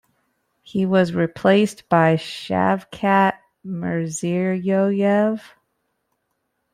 He was replaced by Shavkat Mirziyoyev.